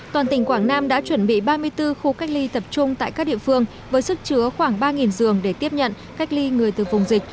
toàn tỉnh quảng nam đã chuẩn bị ba mươi bốn khu cách ly tập trung tại các địa phương với sức chứa khoảng ba giường để tiếp nhận cách ly người từ vùng dịch